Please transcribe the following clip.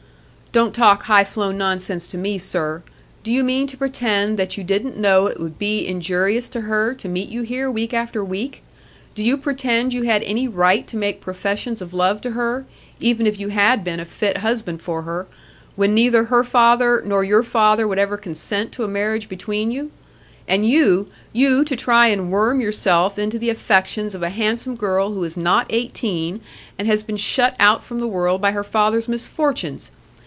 "Don't talk high flown nonsense to me, sir! Do you mean to pretend that you didn't know it would be injurious to her to meet you here week after week? Do you pretend you had any right to make professions of love to her, even if you had been a fit husband for her, when neither her father nor your father would ever consent to a marriage between you? And you,—you to try and worm yourself into the affections of a handsome girl who is not eighteen, and has been shut out from the world by her father's misfortunes!